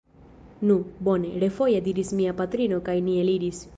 Nu, bone! refoje diris mia patrino kaj ni eliris.